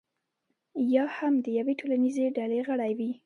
یا هم د یوې ټولنیزې ډلې غړی وي.